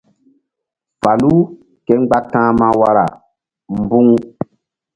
Falu ke mgba ta̧hma wara mbu̧ŋ.